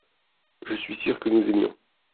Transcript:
je suis sûr que nous aimions.